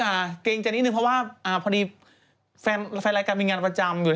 เอาเข้าที่น่ารักก็พออันนี้พูดหลังจากคุณแม่ของเธอนอนอย่างไร